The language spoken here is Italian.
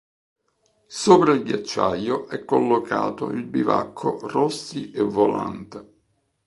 Sopra il ghiacciaio è collocato il bivacco Rossi e Volante.